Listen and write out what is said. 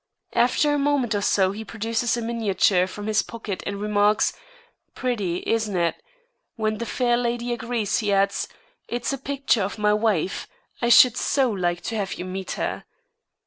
After a moment or so he produces a miniature from his pocket and remarks: "Pretty, isn't it?" When the fair lady agrees he adds: "It's a picture of my wife. I should so like to have you meet her."